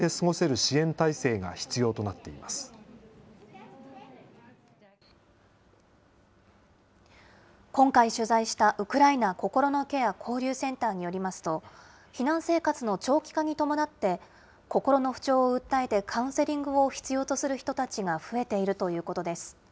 日本で過ごす避難民の人たちが安心して過ごせる支援態勢が必要と今回取材した、ウクライナ心のケア交流センターによりますと、避難生活の長期化に伴って、心の不調を訴えて、カウンセリングを必要とする人たちが増えているということです。